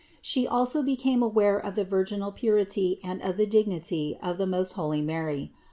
She also became aware of the virginal purity and of the dignity of the most holy Mary.